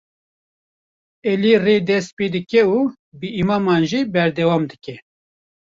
Elî re dest pê dike û bi îmaman jî berdewam dibe.